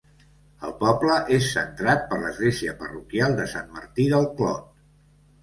El poble és centrat per l'església parroquial de Sant Martí del Clot.